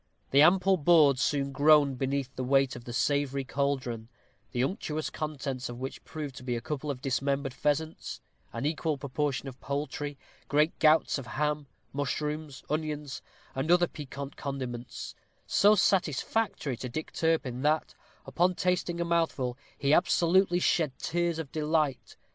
The ample board soon groaned beneath the weight of the savory caldron, the unctuous contents of which proved to be a couple of dismembered pheasants, an equal proportion of poultry, great gouts of ham, mushrooms, onions, and other piquant condiments, so satisfactory to Dick Turpin, that, upon tasting a mouthful, he absolutely shed tears of delight.